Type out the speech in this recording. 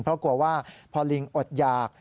เพราะกลัวว่าพอลิงอดหยาก